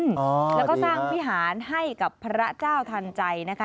แล้วก็สร้างวิหารให้กับพระเจ้าทันใจนะคะ